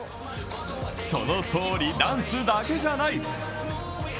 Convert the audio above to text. そのとおりダンスだけじゃない。